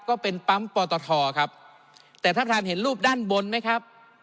ก็เป็นปั๊มปอตทครับแต่ท่านท่านเห็นรูปด้านบนไหมครับ